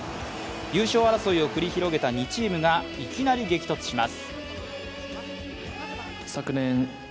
優勝争いを繰り広げた２チームがいきなり激突します。